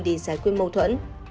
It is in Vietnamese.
để giải quyết mâu thuẫn